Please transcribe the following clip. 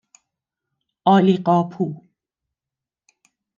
عالیقاپو